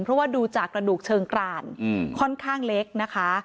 เพราะว่าดูจากกระดูกเชิงกรานค่อนข้างเล็กนะคะ